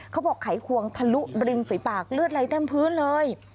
เขาบอกไขควงทะลุดริมสวยปากเลือดไหลเต็มพื้นเลย